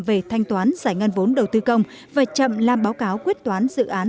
về thanh toán giải ngân vốn đầu tư công và chậm làm báo cáo quyết toán dự án